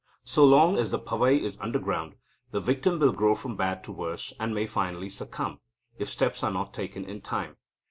So long as the pavai is underground, the victim will grow from bad to worse, and may finally succumb, if steps are not taken in time.